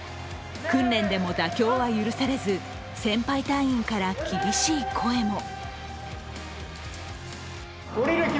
訓練でも妥協は許されず、先輩隊員から厳しい声も。